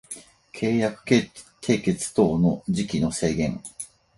契約締結等の時期の制限